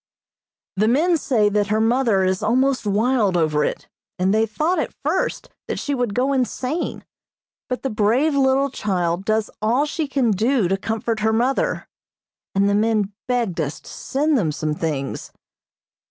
The men say that her mother is almost wild over it, and they thought at first that she would go insane, but the brave little child does all she can do to comfort her mother, and the men begged us to send them some things.